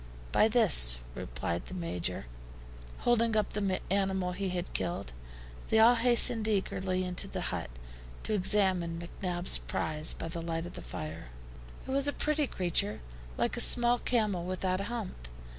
"By this," replied the Major, holding up the animal he had killed. They all hastened eagerly into the hut, to examine McNabbs' prize by the light of the fire. It was a pretty creature, like a small camel without a hump.